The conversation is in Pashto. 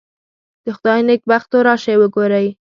د خدای نېکبختو راشئ وګورئ.